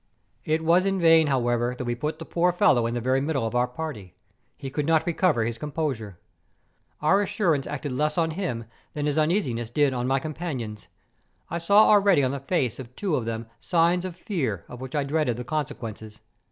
It was in vain, however, that we had put the poor fellow in the very middle of our party ; he could not recover his composure. Our assurance acted less on him than his uneasiness did on my companions. I saw already on the faces of two of them signs of fear of which I dreaded the consequences.